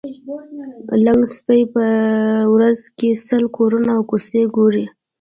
لنګه سپۍ په ورځ کې سل کورونه او کوڅې را ګوري.